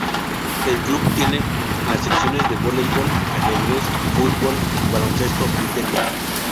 El club tiene las secciones de voleibol, ajedrez, fútbol, baloncesto y tenis.